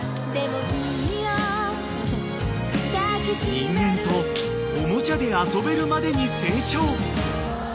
［人間とおもちゃで遊べるまでに成長］